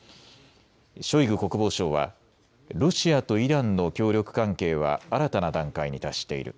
ショイグ国防相はロシアとイランの協力関係は新たな段階に達している。